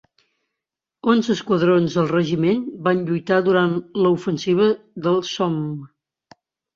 Onze esquadrons del regiment van lluitar durant la ofensiva del Somme.